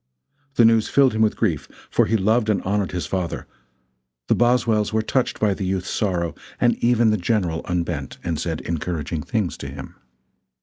The news filled him with grief, for he loved and honored his father; the Boswells were touched by the youth's sorrow, and even the General unbent and said encouraging things to him.